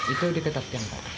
itu di ketaping pak